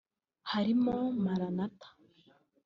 Harimo Maranatha